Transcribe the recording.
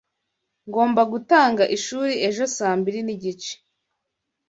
Ngomba gutanga ishuri ejo saa mbiri nigice.